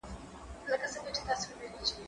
زه کولای سم مړۍ وخورم